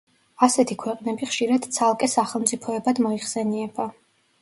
ასეთი ქვეყნები ხშირად ცალკე სახელმწიფოებად მოიხსენიება.